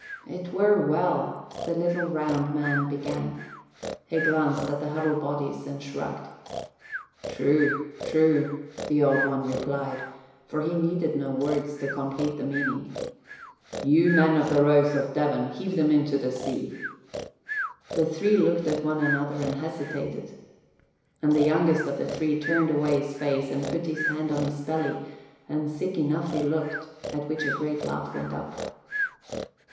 "It were well " the little round man began. He glanced at the huddled bodies and shrugged. "True, true!" the Old One replied, for he needed no words to complete the meaning. "You men of the Rose of Devon, heave them into the sea." The three looked at one another and hesitated, and the youngest of the three turned away his face and put his hand on his belly, and sick enough he looked, at which a great laugh went up.